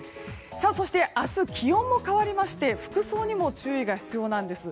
そして明日、気温も変わりまして服装にも注意が必要なんです。